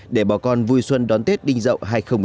để bỏ con vui xuân đón tết đinh dậu hai nghìn một mươi bảy